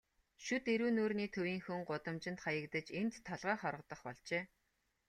Шүд эрүү нүүрний төвийнхөн гудамжинд хаягдаж, энд толгой хоргодох болжээ.